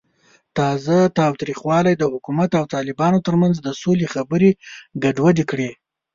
تازه تاوتریخوالی د حکومت او طالبانو ترمنځ د سولې خبرې ګډوډې کړې.